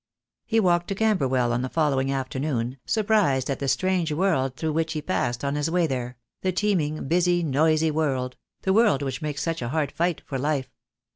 He walked to Camberwell on the following afternoon, surprised at the strange world through which he passed on his way there, the teeming, busy, noisy world — the wrorld which makes such a hard fight for life.